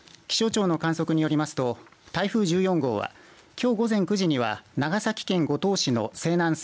気象庁の観測によりますと台風１４号はきょう午前９時には長崎県五島市の西南西